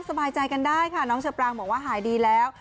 สบายใจกันได้ค่ะน้องเชอปรางบอกว่าหายดีแล้ว